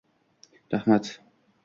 Rahmat.